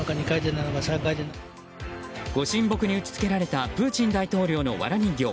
ご神木に打ち付けられたプーチン大統領のわら人形。